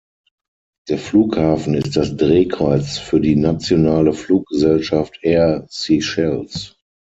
Der Flughafen ist das Drehkreuz für die nationale Fluggesellschaft Air Seychelles.